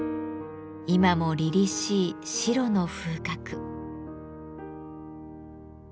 今もりりしい白の風格。